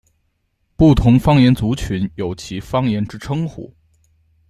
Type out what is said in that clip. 不同方言族群有其方言之称呼。